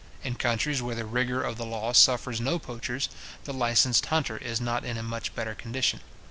In countries where the rigour of the law suffers no poachers, the licensed hunter is not in a much better condition.